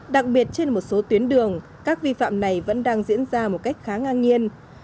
đặc biệt trên một số tuyến đường các vi phạm này vẫn đang diễn ra một cách khá ngang nhiên